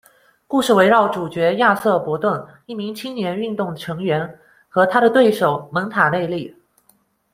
故事围绕主角亚瑟伯顿，一名青年运动的成员，和他的对手蒙塔内利。